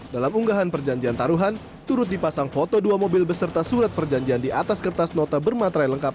dalam unggahan perjanjian taruhan turut dipasang foto dua mobil beserta surat perjanjian di atas kertas nota bermaterai lengkap